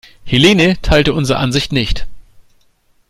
Helene teilt unsere Ansicht nicht.